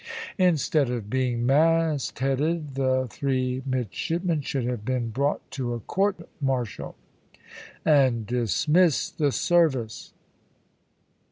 Instead of being mast headed, the three midshipmen should have been brought to a court martial, and dismissed the service."